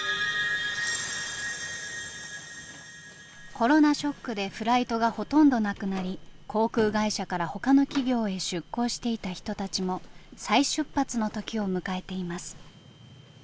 コロナショックでフライトがほとんどなくなり航空会社からほかの企業へ出向していた人たちも再出発の時を迎えています。